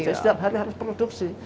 jadi setiap hari harus produksi